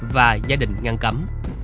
và gia đình ngăn cấm